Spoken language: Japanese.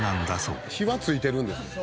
「火はついてるんですね」